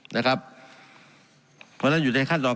การปรับปรุงทางพื้นฐานสนามบิน